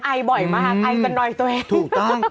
ไอบ่อยมากไอกันหน่อยตัวเองถูกต้อง